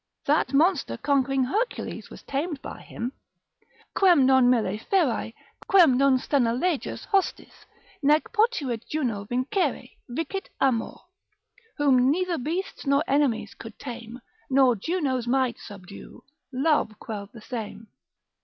That monster conquering Hercules was tamed by him: Quem non mille ferae, quem non Sthenelejus hostis, Nec potuit Juno vincere, vicit amor. Whom neither beasts nor enemies could tame, Nor Juno's might subdue, Love quell'd the same.